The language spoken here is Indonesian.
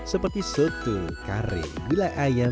seperti soto kare gula ayam